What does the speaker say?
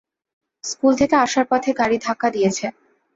School থেকে আসার পথে গাড়ি ধাক্কা দিয়েছে।